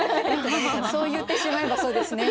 そう言ってしまえばそうですね。